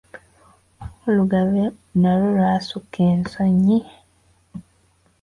Olugave nalwo lwasukka ensonyi.